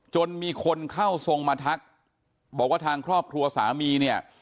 จนมีคนเข้าทรงมาทักบอกว่าทางครอบครัวสามีเนี่ย